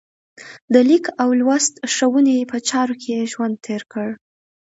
د لیک او لوست ښوونې په چارو کې یې ژوند تېر کړ.